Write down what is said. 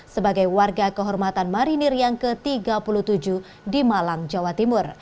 sebagai warga kehormatan marinir yang ke tiga puluh tujuh di malang jawa timur